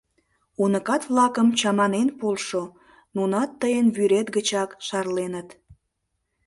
— Уныкат-влакым чаманен полшо, нунат тыйын вӱрет гычак шарленыт.